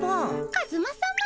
カズマさま。